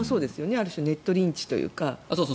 ある種ネットリンチというか。